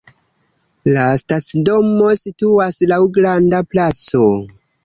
La stacidomo situas laŭ granda placo.